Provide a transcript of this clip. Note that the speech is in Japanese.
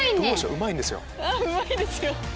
うまいんですよ。